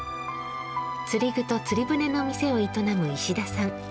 釣り具と釣り船の店を営む石田さん。